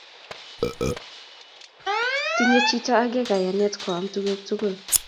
Tinyei chito age kayanet koam tuguk tugul.